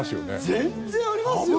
全然ありますよね。